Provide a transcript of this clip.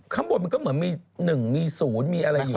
ข้างบนมันก็เหมือนมี๑มี๐มีอะไรอยู่